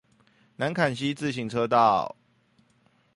南崁溪自行車道